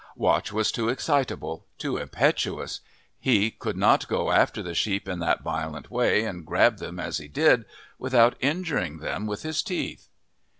Watch was too excitable, too impetuous he could not go after the sheep in that violent way and grab them as he did without injuring them with his teeth.